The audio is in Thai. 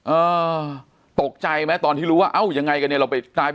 อ่าออตกใจมั้ยตอนที่รู้ว่าอ้าอย่างไรกันเนี่ย